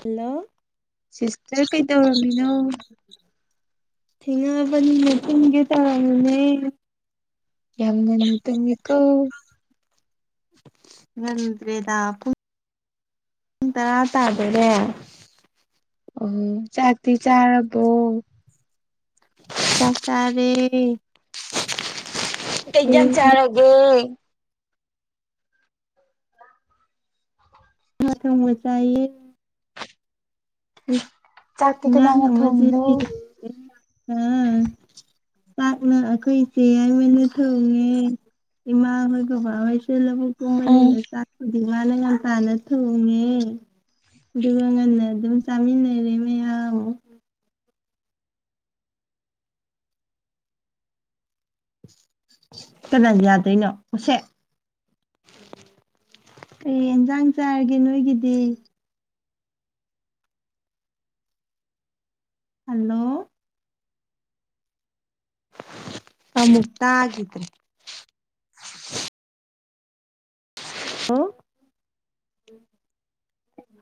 hello sister ꯀꯩꯗꯧꯔꯝꯃꯤꯅꯣ ꯊꯤꯉꯕꯅꯤ ꯊꯨꯡꯒꯦ ꯇꯥꯅꯦ ꯌꯥꯝ ꯉꯟ ꯇꯃꯤꯀ ꯉꯗ꯭ꯔꯦꯗꯥꯄꯨ ꯅꯪ ꯇꯔꯥ ꯇꯥꯗꯔꯦ ꯑꯣ ꯆꯥꯇꯤ ꯆꯥꯔꯔꯕꯣ ꯆꯇꯥꯔꯦ ꯀꯖꯝ ꯆꯔꯒꯦ ꯈꯠꯪ ꯑꯣꯏ ꯆꯥꯏꯌꯦ ꯆꯥꯛꯇꯤ ꯉ ꯀꯅꯥꯅ ꯃ ꯊꯣꯡꯉꯤꯅꯣ ꯑꯥ ꯆꯥꯛꯅ ꯑꯩꯈꯣꯏ ꯏꯆꯦ ꯍꯥꯏꯏꯃꯅ ꯊꯣꯡꯉꯦ ꯏꯃꯥ ꯍꯣꯏ ꯕꯕꯥ ꯍꯣꯏꯁꯨ ꯂ ꯇ ꯎꯝ ꯃꯅꯤꯅ ꯆ ꯗꯤ ꯃꯥꯅ ꯉꯥꯟ ꯇꯥꯅ ꯊꯣꯡꯉꯦ ꯑꯗꯨꯒ ꯉꯟꯅ ꯑꯗꯨꯝ ꯆꯃꯤ ꯂꯩꯔꯃꯦ ꯌꯥꯨ ꯀꯅꯥ ꯌꯥꯗꯣꯏꯅꯣ ꯎꯁꯦ ꯀꯩ ꯏꯟꯁꯥꯡ ꯆꯥꯔꯒꯦ ꯅꯣꯏꯒꯤꯗꯤ ꯍꯜꯂꯣ ꯁꯁꯊ ꯍꯥꯏꯒꯗ꯭ꯔꯦ ꯍꯂ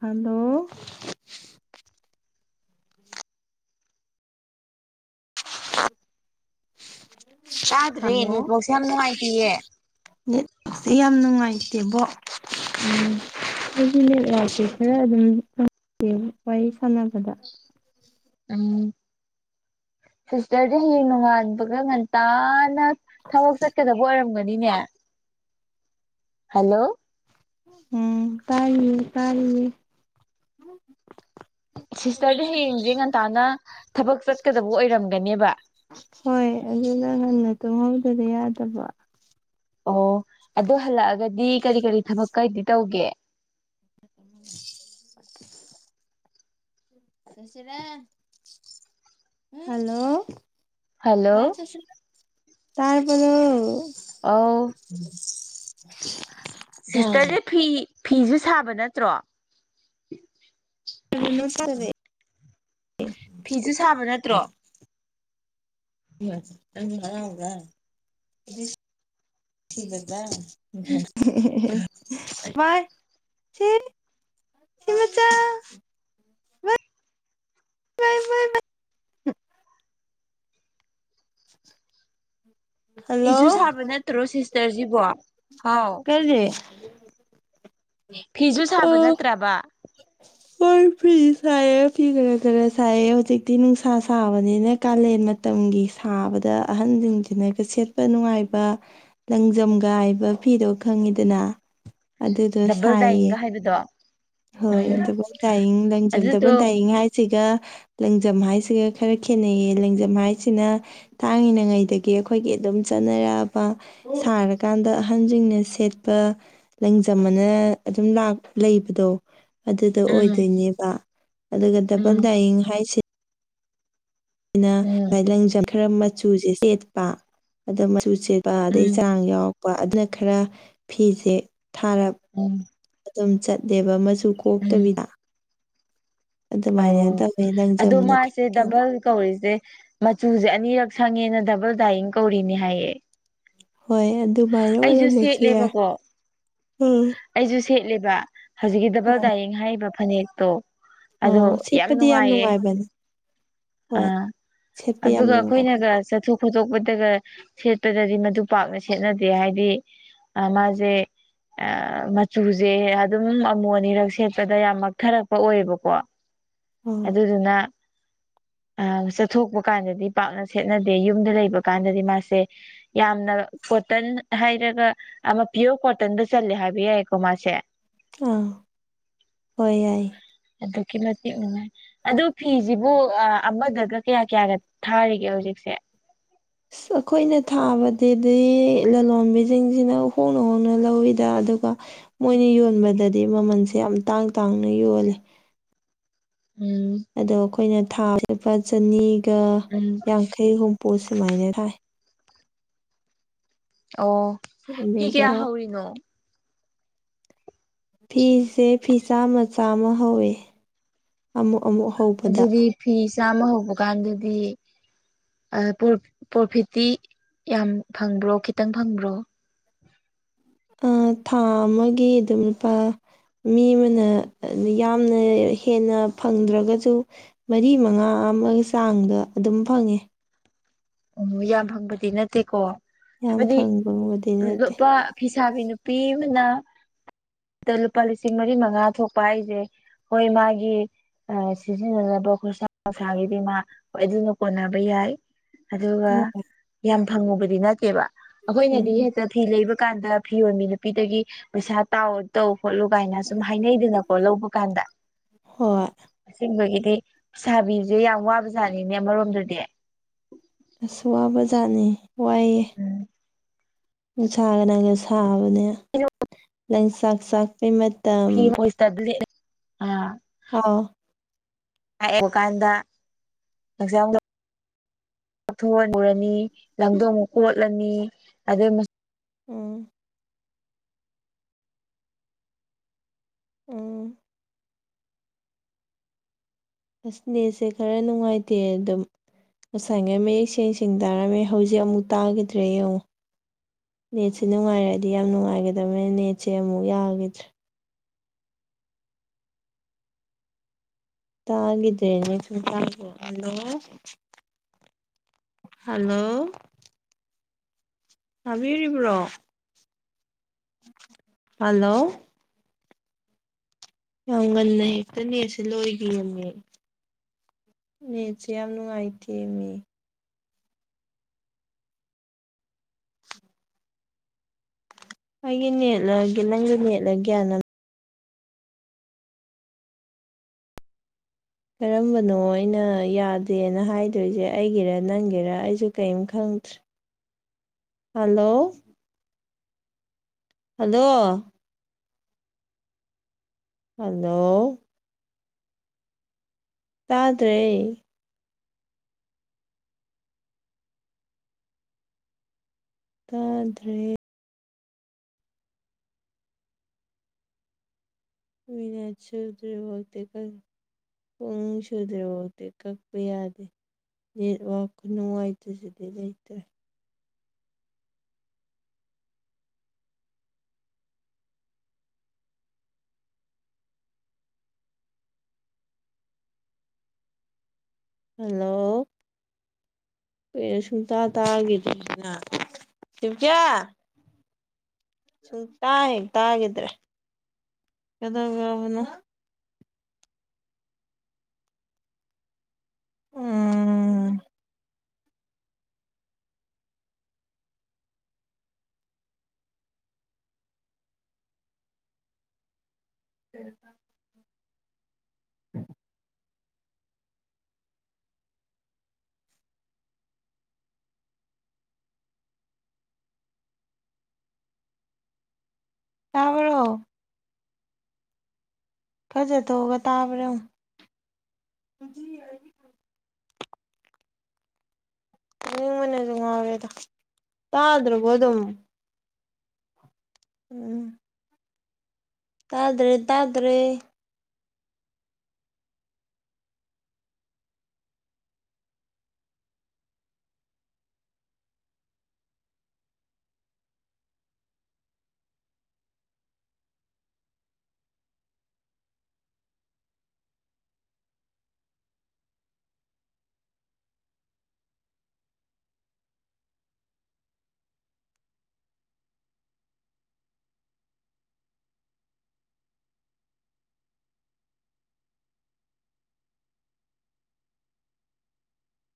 ꯍꯂꯣ ꯇꯥꯗ꯭ꯔꯦ ꯍꯜꯂꯣ ꯅꯦꯠꯋꯥꯛꯁꯦ ꯌꯥꯝ ꯅꯨꯡꯉꯥꯏꯇꯤꯌꯦ ꯌꯦ ꯁꯤ ꯌꯥꯝ ꯅꯨꯡꯉꯥꯏꯇꯦꯕꯣ ꯎꯝ ꯍꯧꯖꯤꯅꯦ ꯂꯁꯦ ꯈꯔ ꯑꯗꯨꯝ ꯐꯪꯦ ꯋꯥꯔꯤ ꯁꯥꯟꯅꯕꯗ ꯎꯝ ꯁꯤꯁꯇꯔꯗꯤ ꯍꯅꯨ ꯃꯥꯕꯒ ꯃ ꯇꯅ ꯊꯕꯛ ꯆꯠꯀꯗꯕ ꯑꯣꯏꯔꯝꯒꯅꯤꯅꯦ ꯍꯜꯂꯣ ꯎꯝ ꯇꯥꯥꯏ ꯇꯥꯔꯦ ꯁꯤꯁꯇꯔꯗꯤ ꯍꯌꯦꯡꯁꯦ ꯉꯟꯇꯥꯅ ꯊꯕꯛ ꯆꯠꯀꯗꯕ ꯑꯣꯏꯔꯝꯒꯅꯦꯕ ꯍꯣꯏ ꯑꯗꯨꯅ ꯍꯜꯟꯅ ꯇꯨꯝꯍꯧꯗꯅ ꯌꯥꯗꯕ ꯑꯣ ꯑꯗꯨ ꯍꯜꯂꯛꯑꯒꯗꯤ ꯀꯔꯤ ꯀꯔꯤ ꯊꯕꯛ ꯀꯩꯗꯤ ꯇꯧꯒꯦ ꯎꯦ ꯍꯜꯂꯣ ꯍꯜꯂꯣ ꯇꯄꯔ [inaudible] ꯑꯧ ꯁꯤꯁꯇꯔꯁꯦ ꯐꯤ ꯐꯤꯁꯨ ꯁꯥꯕ ꯅꯠꯇ꯭ꯔꯣ ꯑꯗꯨꯔꯦ ꯐꯤꯁꯨ ꯁꯥꯕ ꯅꯠꯇ꯭ꯔꯣ ꯆꯪ ꯐ ꯁꯤ ꯍꯇ [unintelligible] ꯎꯝ ꯑꯩꯁꯨ ꯁꯥꯕ ꯅꯠꯇ꯭ꯔꯣ ꯁꯤꯁꯇꯔꯁꯤꯕꯣ ꯍꯥꯎ ꯀꯖꯦ ꯐꯤꯁꯨ ꯁꯥꯕ ꯅꯠꯇ꯭ꯔꯕ ꯍꯣꯏ ꯐꯤ ꯁꯥꯏꯌꯦ ꯐꯤ ꯈꯔ ꯈꯔ ꯁꯥꯏꯑꯦ ꯍꯧꯖꯤꯛꯇꯤ ꯅꯨꯡꯁꯥ ꯁꯥꯕꯅꯤꯅ ꯀꯥꯂꯦꯟ ꯃꯇꯝ ꯁꯥꯕꯗ ꯑꯍꯟꯁꯤꯡꯁꯤꯅꯒ ꯁꯦꯠꯄ ꯅꯨꯡꯉꯥꯏꯕ ꯂꯪꯖꯝꯒꯥꯏꯕ ꯐꯤ ꯑꯩꯗꯣ ꯈꯪꯉꯤꯗꯅ ꯑꯗꯨꯗꯣ ꯁꯥꯏꯌꯦ ꯗ ꯍꯣꯏ ꯗꯕꯜ ꯇꯥꯏꯌꯡ ꯂꯪꯖꯝ ꯑꯗꯨꯗꯣ ꯗꯕꯜ ꯇꯌꯡ ꯍꯥꯏꯁꯤꯒ ꯂꯪꯖꯝ ꯍꯥꯏꯁꯤꯒ ꯈꯔ ꯈꯦꯠꯅꯩꯌꯦ ꯂꯪꯖꯝ ꯍꯥꯏꯁꯤꯅ ꯇꯥꯡꯉꯤꯅꯉꯩꯗꯒꯤ ꯑꯩꯈꯣꯏꯒꯤ ꯑꯗꯨꯝ ꯆꯠꯅꯔꯛꯑꯕ ꯁꯥꯔꯀꯥꯟꯗ ꯑꯍꯟꯁꯤꯡꯅ ꯁꯦꯠꯄ ꯂꯪꯖꯃꯅ ꯑꯗꯨꯝ ꯂ ꯂꯩꯕꯗꯣ ꯑꯗꯨꯗ ꯎꯝ ꯑꯣꯏꯗꯣꯏꯅꯦꯕ ꯑꯗꯨꯒ ꯗꯕꯜ ꯎꯝ ꯗꯥꯏꯌꯤꯡ ꯍꯥꯏꯁꯤ ꯎꯝ ꯑꯩꯅ ꯂꯪꯁꯪ ꯈꯔ ꯃꯆꯨꯁꯦ ꯁꯦꯠꯄ ꯑꯗ ꯆꯨ ꯆꯦꯠꯄ ꯑꯗꯩ ꯎꯝ ꯆꯥꯡ ꯌꯥꯎꯔꯛꯄ ꯑꯗꯨꯅ ꯈꯔ ꯐꯤꯁꯦ ꯊꯥꯔꯞ ꯎꯝ ꯑꯗꯨꯝ ꯆꯠꯂꯦꯕ ꯃꯆꯨ ꯎꯝ ꯀꯣꯛꯇꯕꯤꯗ ꯑꯣ ꯑꯗꯨꯃꯥꯏꯅ ꯇꯧꯋꯦ ꯑꯗꯣ ꯂꯪꯖꯝꯅ ꯃꯥꯁꯦ ꯀꯩꯅꯣ ꯗꯕꯜ ꯀꯧꯔꯤꯁꯦ ꯃꯆꯨꯁꯦ ꯑꯅꯤꯔꯛ ꯁꯪꯉꯦꯅ ꯗꯕꯜ ꯗꯥꯏꯌꯤꯡ ꯀꯧꯔꯤꯅꯤ ꯍꯥꯏꯌꯦ ꯍꯣꯏ ꯑꯗꯨꯃꯥꯏꯅ ꯑꯩꯁꯨ ꯑꯣꯏꯔꯝꯕꯁꯨ ꯌꯥꯔ ꯁꯦꯠꯂꯦꯕꯀꯣ ꯑꯩꯁꯨ ꯁꯦꯠꯂꯦꯕ ꯍꯧꯖꯤꯛꯀꯤ ꯗꯕꯜ ꯗꯥꯏꯔꯤꯡ ꯍꯥꯏꯔꯤꯕ ꯐꯅꯦꯛꯇꯣ ꯑꯣ ꯌꯥꯝ ꯅꯨꯡꯉꯥꯏꯌꯦ ꯍꯣꯏ ꯑꯥ ꯁꯦꯠꯄ ꯌꯥꯝ ꯑꯗꯨꯒ ꯅꯨꯡꯉꯥꯏꯕꯅꯦ ꯑꯩꯈꯣꯏꯅꯒ ꯆꯠꯊꯣꯛ ꯐꯣꯇꯣꯛꯄꯗꯒ ꯁꯦꯠꯄꯗꯗꯤ ꯃꯗꯨ ꯄꯥꯛꯅ ꯁꯦꯠꯅꯗꯦ ꯍꯥꯏꯗꯤ ꯃꯥꯁꯦ ꯃꯆꯨꯁꯦ ꯑꯗꯨꯝ ꯑꯃꯣ ꯑꯅꯤꯔꯛ ꯁꯦꯠꯄꯗ ꯌꯥꯝ ꯃꯛꯊꯔꯛꯄ ꯑꯣꯏꯌꯦꯕꯀꯣ ꯑꯥ ꯑꯗꯨꯗꯨꯅ ꯑ ꯆꯠꯊꯣꯛꯄ ꯀꯥꯟꯗꯗꯤ ꯄꯥꯛꯅ ꯁꯦꯠꯅꯗꯦ ꯌꯨꯝꯗ ꯂꯩꯕ ꯀꯥꯟꯗꯗꯤ ꯃꯥꯁꯦ ꯌꯥꯝꯅ ꯀꯣꯇꯟ ꯍꯥꯏꯔꯒ ꯑꯃ ꯄꯤꯌꯣꯔ ꯀꯣꯇꯟꯗ ꯆꯜꯂꯦ ꯍꯥꯏꯕ ꯌꯥꯏꯀꯣ ꯃꯥꯁꯦ ꯑꯥ ꯍꯣꯏ ꯌꯥꯏ ꯑꯗꯨ ꯀꯤꯂꯣ ꯇꯤꯛꯉꯥꯏ ꯑꯗꯨ ꯐꯤꯁꯤꯕꯨ ꯑꯃꯗꯗ ꯀꯌꯥ ꯀꯌꯥꯒ ꯊꯥꯔꯤꯒꯦ ꯍꯧꯖꯤꯛꯁꯦ ꯑꯁ ꯑꯩꯈꯣꯏꯅ ꯊꯥꯕꯗꯗꯤ ꯂꯂꯣꯟꯕꯤꯁꯤꯡꯁꯤꯅ ꯍꯣꯡꯅ ꯍꯣꯡꯅ ꯂꯧꯋꯤꯗ ꯑꯗꯨꯒ ꯃꯣꯏꯅ ꯌꯣꯟꯕꯗꯗꯤ ꯃꯃꯜꯁꯦ ꯌꯥꯝ ꯇꯥꯡ ꯇꯥꯡꯅ ꯌꯣꯜꯂꯤꯦ ꯎꯝ ꯑꯗꯣ ꯑꯩꯈꯣꯏꯅ ꯊꯥ ꯂꯨꯄꯥ ꯆꯅꯤ ꯎꯝ ꯌꯥꯡꯈꯩ ꯍꯨꯝꯐꯨ ꯁꯨꯃꯥꯏꯅ ꯊꯥꯏ ꯑꯣ ꯍꯤ ꯑꯗꯨꯒ ꯀꯌꯥ ꯍꯧꯧꯔꯤꯅꯣ ꯐꯤꯁꯦ ꯐꯤꯁꯥ ꯃꯆꯥꯥꯃ ꯍꯧꯋꯦ ꯑꯃꯨꯛ ꯑꯃꯨꯛ ꯍꯧꯕꯗ ꯑꯗꯨꯗꯤ ꯐꯤ ꯆꯥꯝꯃ ꯍꯧꯕ ꯀꯥꯟꯗꯗꯤ ꯄ꯭ꯔꯣꯐꯤꯠꯇꯤ ꯌꯥꯝ ꯐꯪꯕ꯭ꯔꯣ ꯈꯤꯇꯪ ꯐꯪꯕ꯭ꯔꯣ ꯊꯥ ꯑꯃꯒꯤ ꯑꯗꯨꯝ ꯂꯨꯄꯥ ꯃꯤ ꯑꯃꯅ ꯌꯥꯝꯅ ꯍꯦꯟꯅ ꯐꯪꯗ꯭ꯔꯒꯁꯨ ꯃꯔꯤ ꯃꯉꯥ ꯑꯃꯒꯤ ꯆꯥꯡꯗ ꯑꯗꯨꯝ ꯐꯪꯉꯦ ꯑꯣ ꯌꯥꯝ ꯐꯪꯕꯗꯤ ꯅꯠꯇꯦꯀꯣ ꯌꯥꯝ ꯍꯥꯏꯕꯗꯤ ꯐꯪꯕꯕꯨꯗꯤ ꯅꯠꯇꯦ ꯂꯨꯄꯥ ꯐꯤꯁꯥꯕꯤ ꯅꯨꯄꯤ ꯑꯃꯅ ꯑꯗ ꯂꯨꯄꯥ ꯂꯤꯁꯤꯡ ꯃꯔꯤ ꯃꯉꯥ ꯊꯣꯛꯄ ꯍꯥꯏꯁꯦ ꯍꯣꯏ ꯃꯥꯒꯤ ꯁꯤꯖꯤꯟꯅꯅꯕ ꯍꯣꯏꯁꯥ ꯅꯨꯡꯁꯥꯒꯤꯗꯤ ꯃꯥ ꯑꯗꯨꯅ ꯀꯣꯟꯅꯕ ꯌꯥꯏ ꯑꯗꯨꯒ ꯍꯣꯏ ꯌꯥꯝ ꯐꯪꯉꯨꯕꯗꯤ ꯅꯠꯇꯦꯕ ꯑꯩꯈꯣꯏꯅꯗꯤ ꯎꯝ ꯍꯦꯛꯇ ꯐꯤ ꯂꯩꯕ ꯀꯥꯟꯗ ꯐꯤ ꯑꯣꯏꯕꯤ ꯅꯨꯄꯤꯗꯒꯤ ꯄꯩꯁꯥ ꯇꯥꯎꯑꯣ ꯇꯧ ꯈꯣꯠꯂꯨ ꯀꯥꯏꯅ ꯁꯨꯝ ꯍꯥꯏꯅꯩꯗꯅꯀꯣ ꯂꯧꯕ ꯀꯥꯟꯗ ꯍꯣꯏ ꯑꯁꯤꯕꯒꯤ ꯁꯥꯕꯤꯁꯦ ꯌꯥꯝ ꯋꯥꯕ ꯁꯥꯥꯅꯤꯅꯦ ꯑꯃꯣꯝꯗꯨꯗꯤ ꯑꯁꯨ ꯋꯥꯕꯖꯥꯠꯅꯤ ꯋꯥꯏꯑꯦ ꯎꯝ ꯎ ꯁꯥꯒ ꯅꯪꯒ ꯁꯥꯕ ꯍꯂ ꯂꯪꯆꯥꯛ ꯆꯥꯛꯄꯤꯩ ꯃꯇꯝ ꯑ ꯑꯥ ꯂꯥꯛꯑꯕ ꯀꯥꯟꯗ ꯑꯦꯛꯖꯥꯝꯗ ꯀꯥꯛꯊꯣꯛꯂꯨꯔꯅꯤ ꯂꯥꯡꯗꯣꯡ ꯀꯣꯠꯂꯅꯤ ꯑꯗꯨ ꯎꯝ ꯎ ꯑꯁꯅꯦꯁꯦ ꯈꯔ ꯅꯨꯡꯉꯥꯏꯇꯦ ꯑꯗꯨꯝ ꯉꯁꯥꯏꯉꯩ ꯃꯌꯦꯛ ꯁꯦꯡ ꯁꯦꯡ ꯇꯥꯔꯝꯃꯦ ꯍꯧꯖꯤꯛ ꯑꯃꯨꯛ ꯇꯥꯈꯤꯗ꯭ꯔꯦ ꯌꯦꯡꯉꯣ ꯅꯦꯠꯁꯦ ꯅꯨꯡꯉꯥꯏꯔꯛꯑꯗꯤ ꯌꯥꯝ ꯅꯨꯡꯉꯥꯏꯒꯗꯕꯅꯦ ꯅꯦꯠꯁꯦ ꯑꯃꯨꯛ ꯌꯥꯈꯤꯗ꯭ꯔꯦ ꯇꯒꯗ꯭ꯔꯦꯅ ꯁ ꯇ ꯍꯜꯂꯣ ꯍꯂꯣ ꯇꯥꯕꯤꯔꯤꯕ꯭ꯔꯣ ꯍꯜꯂꯣ ꯌꯥꯝ ꯉꯟꯅꯩ ꯍꯦꯛꯇꯅꯦꯁꯦ ꯂꯣꯏꯈꯤꯔꯝꯃꯦ ꯃ꯭ꯌꯨꯖꯤꯌꯝ ꯅ ꯑꯥꯏꯇꯤ ꯃꯤ ꯑꯩꯒꯤ ꯅꯦꯠꯂꯒꯦ ꯅꯪꯒꯤ ꯅꯦꯠꯂꯒ꯭ꯌꯥꯅ ꯀꯔꯝꯕꯅꯣ ꯑꯩꯅ ꯌꯥꯗꯦꯅ ꯍꯥꯏꯗꯣꯏꯁꯦ ꯑꯩꯒꯤꯔ ꯅꯪꯒꯤꯔ ꯑꯩꯁꯨ ꯀꯔꯤꯝ ꯈꯪꯗ꯭ꯔꯦ ꯍ ꯍꯜꯂꯣ ꯍꯜꯂꯣ ꯍꯜꯂꯣ ꯇꯥꯗ꯭ꯔꯦ ꯇꯥꯗ꯭ꯔꯦ ꯃꯤꯅ ꯁꯗ꯭ꯔꯦꯕꯣꯛꯇ ꯀ ꯄꯨꯡ ꯁꯨꯗ꯭ꯔꯦ ꯑꯣꯗꯤꯦ ꯀꯛꯄ ꯌꯥꯗꯦ ꯌꯦ ꯋꯥꯈꯅꯣꯋꯥꯥꯏꯇ ꯁꯤꯗ ꯂꯩꯩꯇꯦ ꯍꯂꯣ ꯄꯔ ꯁꯨꯡ ꯇꯥ ꯇꯥꯒꯦ ꯀꯌꯥ ꯁꯨ ꯇ ꯌꯦ ꯇꯒꯗ꯭ꯔꯦ ꯀꯒꯅ ꯎꯝ ꯎꯝ ꯎꯝ ꯇꯥꯎꯔꯣ ꯐꯖꯔ ꯇꯒ ꯇꯥꯕ꯭ꯔ ꯏ ꯃꯅꯦꯖꯉꯦꯗ ꯆꯗꯣꯒꯗꯝ ꯎꯝ ꯇꯥꯗꯔꯦ ꯇꯥꯗꯔꯦ